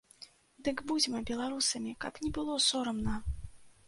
Дык будзьма беларусамі, каб не было сорамна!